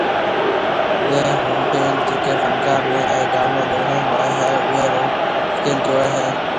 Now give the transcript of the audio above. اوئي ھونپيل جڪي فنڪار ني اي گانو ڏيڻو ھوئي ھيَََ اوئي رو اسڪيل جوئي ھيَََ